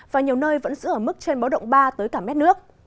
và nhiều nơi vẫn giữ ở mức trên báo động ba tới cả mét nước